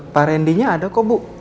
pak rendinya ada kok bu